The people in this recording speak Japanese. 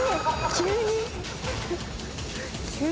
急に？